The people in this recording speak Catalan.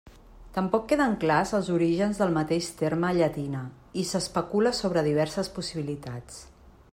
Tampoc queden clars els orígens del mateix terme llatina i s'especula sobre diverses possibilitats.